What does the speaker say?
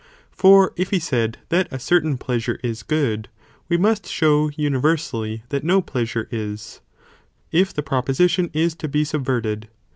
For if he said that a certain pleasure is good, we must show universally that no pleasure is, if the proposition is to be subverted.